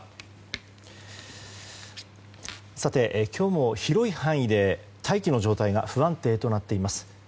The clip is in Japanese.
今日も広い範囲で大気の状態が不安定となっています。